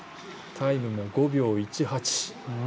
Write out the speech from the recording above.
タイムも５秒１８。